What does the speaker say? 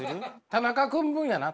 田中君分やな！